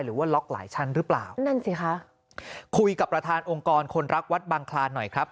หรือว่าล็อกหลายชั้นหรือเปล่านั่นสิคะคุยกับประธานองค์กรคนรักวัดบังคลานหน่อยครับ